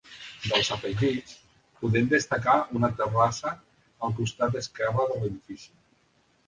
Dels afegits, podem destacar una terrassa al costat esquerre de l'edifici.